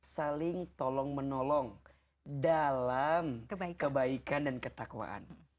saling tolong menolong dalam kebaikan dan ketakwaan